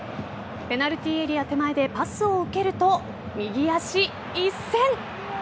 ペナルティーエリア手前でパスを受けると右足一閃。